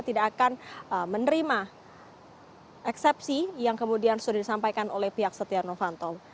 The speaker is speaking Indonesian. tidak akan menerima eksepsi yang kemudian sudah disampaikan oleh pihak setia novanto